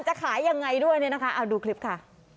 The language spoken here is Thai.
จะขายยังไงด้วยนะคะดูคลิปค่ะ